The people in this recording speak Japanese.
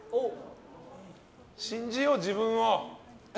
信じよう、自分を。